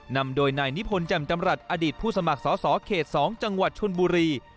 นำโดยนายนิพนธ์แจ่มจำรัฐอดีตผู้สมัครสอสอเขต๒จังหวัดชนบุรี